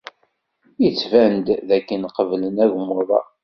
Yettban-d dakken qeblen agmuḍ-a.